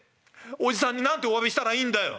おじさんに何ておわびしたらいいんだよ」。